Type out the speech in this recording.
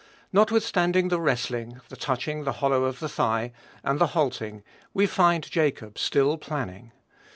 Notwithstanding the wrestling, the touching the hollow of the thigh, and the halting, we find Jacob still planning.